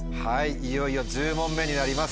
いよいよ１０問目になります